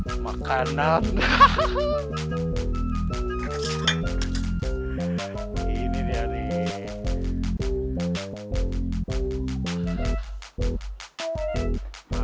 ah masalah er didntu speaker juga